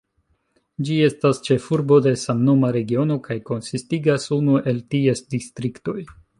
Ĝi estas ĉefurbo de samnoma regiono kaj konsistigas unu el ties distriktoj.